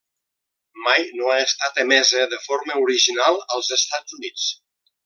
Mai no ha estat emesa de forma original als Estats Units.